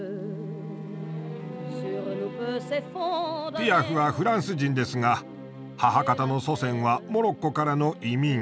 ピアフはフランス人ですが母方の祖先はモロッコからの移民。